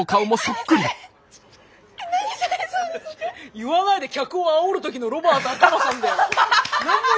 言わないで客をあおる時のロバート秋山さんだよ。